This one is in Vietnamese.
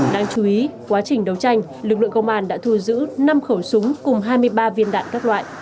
đáng chú ý quá trình đấu tranh lực lượng công an đã thu giữ năm khẩu súng cùng hai mươi ba viên đạn các loại